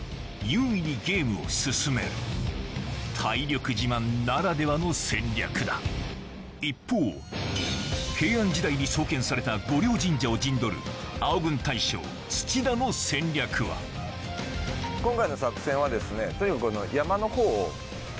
優位にゲームを進める体力自慢ならではの戦略だ一方平安時代に創建された御霊神社を陣取る青軍大将・土田の戦略は今回の作戦はですねとにかく。